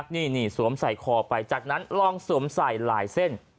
นี่สวมใส่คอไปจากนั้นลองสวมใส่หลายเส้น